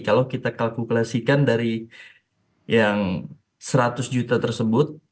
kalau kita kalkulasikan dari yang seratus juta tersebut